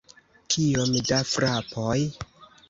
Kiom da frapoj?